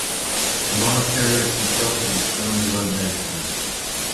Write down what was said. The monastery is constructed with stone and mud masonry.